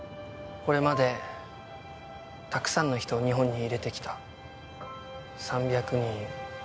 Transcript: これまでたくさんの人を日本に入れてきた